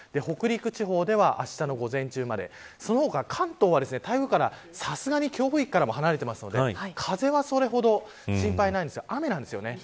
北陸地方ではあしたの午前中までその他、関東は台風からさすがに強風域から離れているので風はそれほど心配ないんですが雨なんですよね。